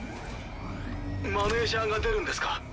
マネージャーが出るんですか？